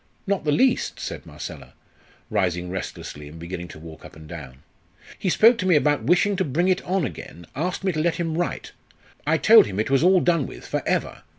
"Not the least," said Marcella, rising restlessly and beginning to walk up and down. "He spoke to me about wishing to bring it on again asked me to let him write. I told him it was all done with for ever!